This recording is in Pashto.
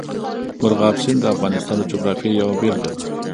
مورغاب سیند د افغانستان د جغرافیې یوه بېلګه ده.